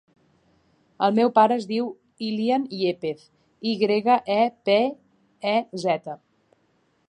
El meu pare es diu Ilyan Yepez: i grega, e, pe, e, zeta.